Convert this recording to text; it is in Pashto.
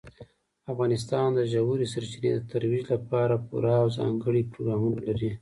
افغانستان د ژورې سرچینې د ترویج لپاره پوره او ځانګړي پروګرامونه لري.